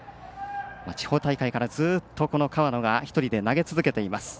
地方大会からずっと河野が１人で投げ続けています。